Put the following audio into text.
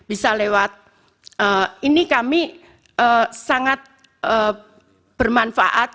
ini kami sangat bermanfaat